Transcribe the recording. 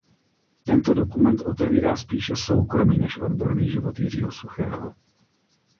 Tento dokument otevírá spíše soukromý než odborný život Jiřího Suchého.